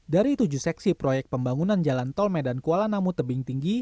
dari tujuh seksi proyek pembangunan jalan tol medan kuala namu tebing tinggi